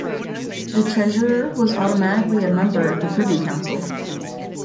The Treasurer was automatically a member of the privy council.